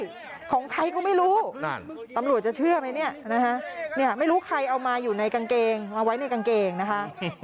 ต้องทำลายของใครก็ไม่รู้ตำรวจจะเชื่อไหมไม่รู้ใครเอามาอยู่ในกางเกงเอาไว้ในกางเกงนะค่ะ